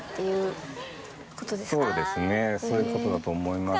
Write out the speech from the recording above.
そういう事だと思います。